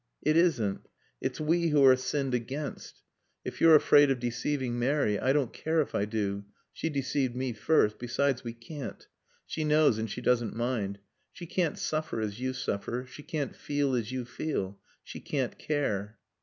It isn't. It's we who are sinned against. "If you're afraid of deceiving Mary I don't care if I do. She deceived me first. Besides we can't. She knows and she doesn't mind. She can't suffer as you suffer. She can't feel as you feel. She can't care."